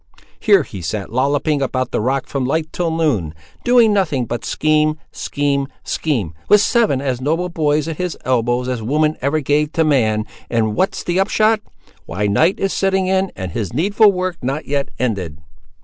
Here he sat lolloping about the rock from light till noon, doing nothing but scheme—scheme—scheme—with seven as noble boys at his elbows as woman ever gave to man; and what's the upshot? why, night is setting in, and his needful work not yet ended."